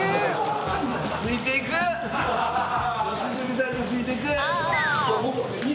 良純さんについていく！